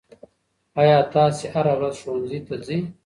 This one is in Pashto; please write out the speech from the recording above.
آیا تاسې هره ورځ ښوونځي ته ځئ؟